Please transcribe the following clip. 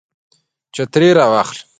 چترۍ را واخله